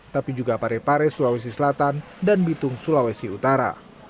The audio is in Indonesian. tapi juga parepare sulawesi selatan dan bitung sulawesi utara